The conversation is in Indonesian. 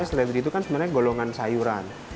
jus seledri itu sebenarnya golongan sayuran